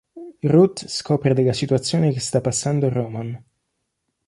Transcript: Ruth scopre della situazione che sta passando Roman.